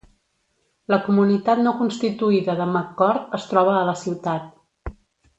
La comunitat no constituïda de McCord es troba a la ciutat.